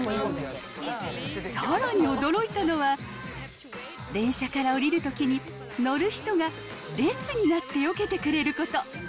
さらに驚いたのは、電車から降りるときに、乗る人が列になってよけてくれること。